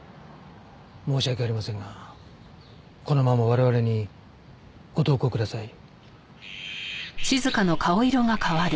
申し訳ありませんがこのまま我々にご同行ください。